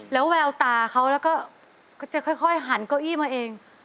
แล้วแววตาเขาแล้วก็จะค่อยหันเก้าอี้มาเอง